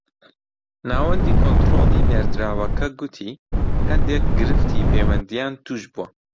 ناوەندی کۆنتڕۆڵی نێردراوەکە گوتی هەندێک گرفتی پەیوەندییان تووش بووە